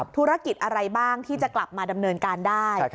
ธุรกิจอะไรบ้างที่จะกลับมาดำเนินการได้